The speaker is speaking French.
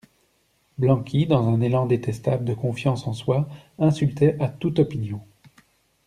Blanqui, dans un élan détestable de confiance en soi, insultait à toute opinion.